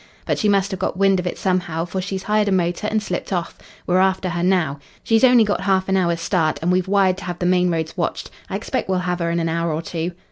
But she must have got wind of it somehow, for she's hired a motor and slipped off. We're after her now. She's only got half an hour's start, and we've wired to have the main roads watched. I expect we'll have her in an hour or two."